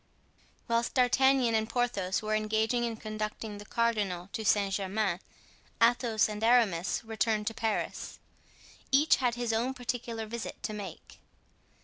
Whilst D'Artagnan and Porthos were engaged in conducting the cardinal to Saint Germain, Athos and Aramis returned to Paris. Each had his own particular visit to make.